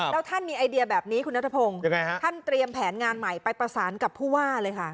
แล้วท่านมีไอเดียแบบนี้คุณนัทพงศ์ท่านเตรียมแผนงานใหม่ไปประสานกับผู้ว่าเลยค่ะ